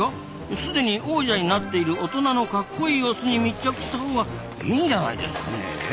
すでに王者になっている大人のかっこいいオスに密着したほうがいいんじゃないですかねえ？